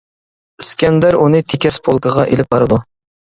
ئىسكەندەر ئۇنى تېكەس پولكىغا ئېلىپ بارىدۇ.